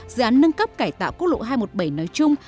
dự án nâng cấp cải tạo quốc lộ hai trăm một mươi bảy nói chung